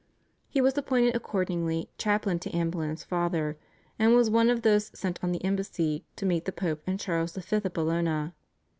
He was appointed accordingly chaplain to Anne Boleyn's father, and was one of those sent on the embassy to meet the Pope and Charles V. at Bologna.